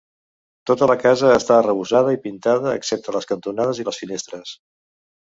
Tota la casa està arrebossada i pintada excepte les cantonades i les finestres.